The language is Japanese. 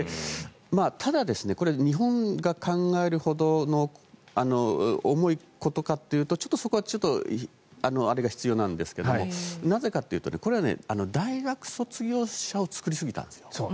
ただ、日本が考えるほどの重いことかというとちょっとそこはあれが必要なんですがなぜかというと大学卒業者を作りすぎたんですよ。